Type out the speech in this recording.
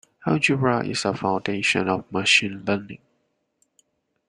Algebra is a foundation of Machine Learning.